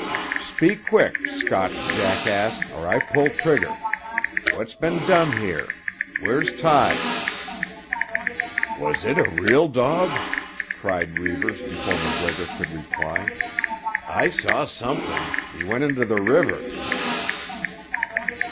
"Speak quick, Scotch jackass, or I pull trigger. What's been done here; where's Tige?" "Was it a real dog?" cried Reivers before MacGregor could reply. "I saw something—he went into the river."